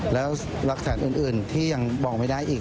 แล้วหลักฐานอื่นที่ยังบอกไม่ได้อีก